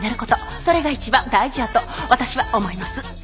それが一番大事やと私は思います。